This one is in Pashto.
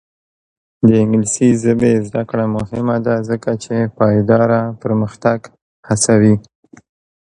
د انګلیسي ژبې زده کړه مهمه ده ځکه چې پایداره پرمختګ هڅوي.